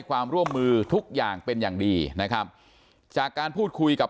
ความร่วมมือทุกอย่างเป็นอย่างดีนะครับจากการพูดคุยกับ